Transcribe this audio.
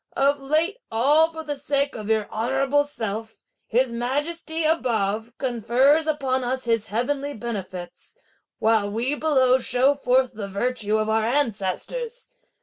Of late all for the sake of your honourable self, His Majesty, above, confers upon us his heavenly benefits; while we, below, show forth the virtue of our ancestors!